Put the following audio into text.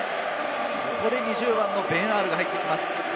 ここで２０番のベン・アールが入ってきます。